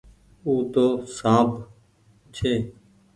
او تو سانپ ڇي۔